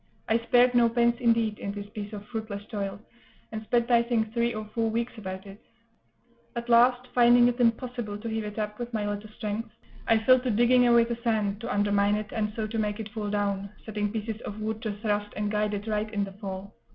I spared no pains, indeed, in this piece of fruitless toil, and spent, I think, three or four weeks about it; at last, finding it impossible to heave it up with my little strength, I fell to digging away the sand, to undermine it, and so to make it fall down, setting pieces of wood to thrust and guide it right in the fall.